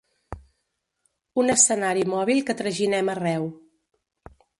Un escenari mòbil que traginem arreu.